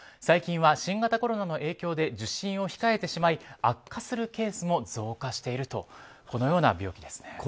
最近は新型コロナの影響で受診を控えてしまい悪化するケースも増加しているとこのような病気ですね。